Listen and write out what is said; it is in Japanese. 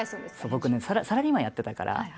僕ねサラリーマンやってたから。